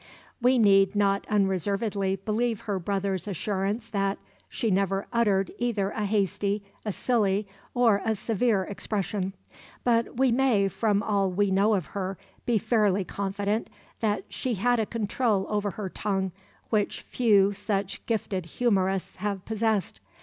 We need not unreservedly believe her brother's assurance that "she never uttered either a hasty, a silly, or a severe expression," but we may, from all we know of her, be fairly confident that she had a control over her tongue which few such gifted humourists have possessed.